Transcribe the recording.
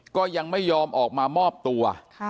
ก็ยังไม่ยอมออกมามอบตัว